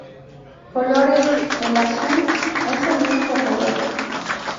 Colores: el azul es el único color.